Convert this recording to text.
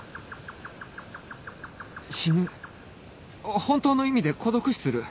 死ぬ本当の意味で孤独死する